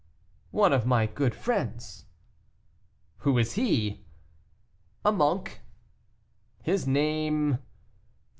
"One of my good friends." "Who is he?" "A monk." "His name?"